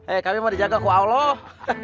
eh kami mau dijaga ke allah